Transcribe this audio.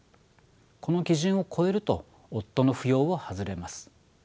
この基準を超えると夫の扶養を外れます。